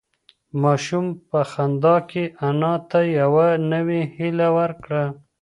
ماشوم په خندا کې انا ته یوه نوې هیله ورکړه.